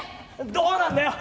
どうなんだよ？